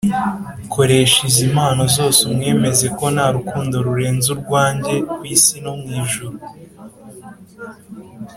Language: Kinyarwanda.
. Koresha izi mpano zose umwemeze ko nta rukundo rurenze urwanjye ku isi no mu ijuru